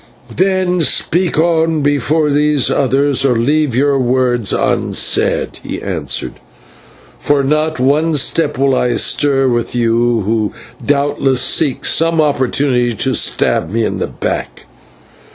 "Then speak on before these others, or leave your words unsaid," he answered, "for not one step will I stir with you, who doubtless seek some opportunity to stab me in the back."